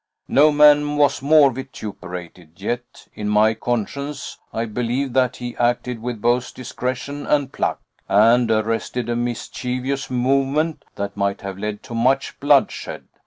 No man was more vituperated; yet, in my conscience, I believe that he acted with both discretion and pluck, and arrested a mischievous movement that might have led to much bloodshed.